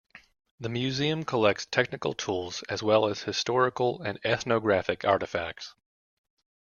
The museum collects technical tools, as well as historical and ethnographic artifacts.